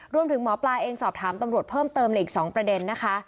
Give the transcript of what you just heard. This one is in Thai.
หมอปลาเองสอบถามตำรวจเพิ่มเติมในอีก๒ประเด็นนะคะ